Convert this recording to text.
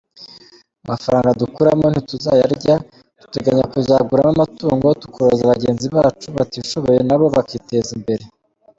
Amafaranga dukuramo ntituzayarya, duteganya kuzaguramo amatungo tukoroza bagenzi bacu batishoboye na bo bakiteza imbere.